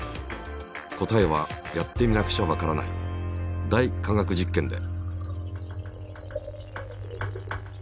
答えはやってみなくちゃわからない「大科学実験」で。